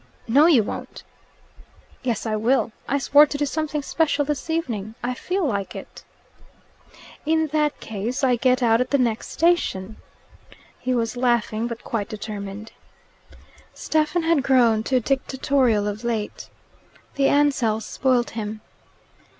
"No, you won't." "Yes, I will. I swore to do something special this evening. I feel like it." "In that case, I get out at the next station." He was laughing, but quite determined. Stephen had grown too dictatorial of late. The Ansells spoilt him.